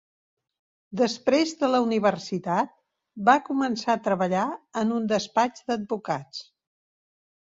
Després de la universitat va començar a treballar en un despatx d'advocats.